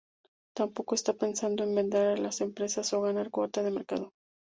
Tampoco está pensado en vender a las empresas o ganar cuota de mercado.